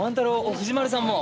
藤丸さんも！